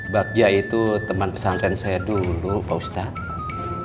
bagja itu teman pesantren saya dulu pak ustadz